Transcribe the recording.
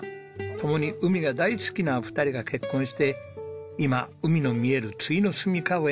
ともに海が大好きな２人が結婚して今海の見えるついのすみかを得ました。